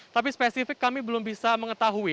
tapi spesifik kami belum bisa mengetahui